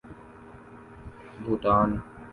Bhutan